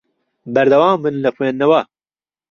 بەردەوام بن لە خوێندنەوە.